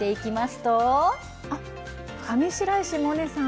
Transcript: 上白石萌音さん